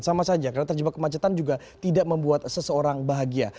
sama saja karena terjebak kemacetan juga tidak membuat seseorang bahagia